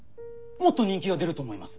もっと人気が出ると思います。